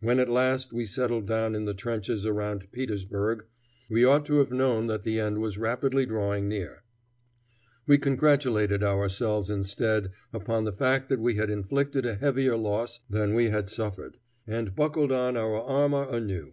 When at last we settled down in the trenches around Petersburg, we ought to have known that the end was rapidly drawing near. We congratulated ourselves instead upon the fact that we had inflicted a heavier loss than we had suffered, and buckled on our armor anew.